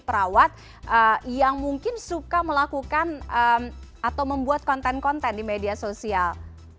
perawat yang mungkin suka melakukan atau membuat konten konten di media sosial